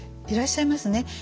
いらっしゃいますね。